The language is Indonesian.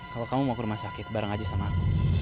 kalau kamu mau ke rumah sakit bareng aja sama aku